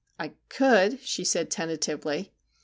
'/ could,' she said tentatively.